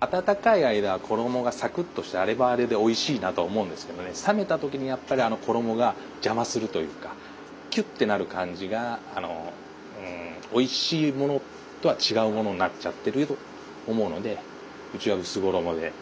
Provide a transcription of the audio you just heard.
温かい間は衣がサクッとしてあれはあれでおいしいなとは思うんですけどね冷めた時にやっぱりあの衣が邪魔するというかキュッてなる感じがおいしいものとは違うものになっちゃってると思うのでうちは薄衣で。